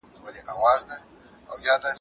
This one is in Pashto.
له غموډکي ترانې ته درومي